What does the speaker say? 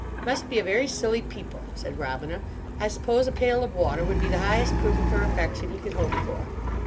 "Must be a very silly people," said Robina; "I suppose a pail of water would be the highest proof of her affection he could hope for."